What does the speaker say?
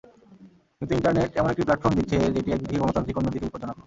কিন্তু ইন্টারনেট এমন একটি প্ল্যাটফর্ম দিচ্ছে, যেটি একদিকে গণতান্ত্রিক, অন্যদিকে বিপজ্জনকও।